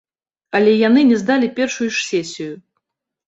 Але яны не здалі першую ж сесію.